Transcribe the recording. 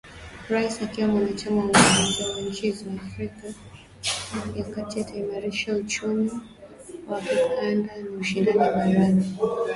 Rais akiwa mwanachama wa umoja wa inchi za Afrika ya kati ataimarisha uchumi wa kikanda na ushindani barani huko na kote duniani